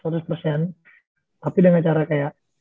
tapi dengan cara kayak